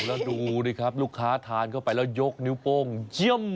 แล้วดูดิครับลูกค้าทานเข้าไปแล้วยกนิ้วโป้งเยี่ยม